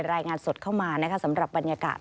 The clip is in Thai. รายงานสดเข้ามาสำหรับบรรยากาศ